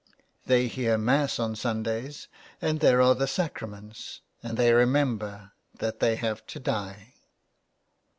They hear Mass on Sundays, and there are the Sacraments, and they remember that they have to die.